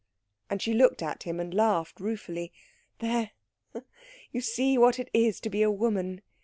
And she looked at him and laughed ruefully. "There you see what it is to be a woman.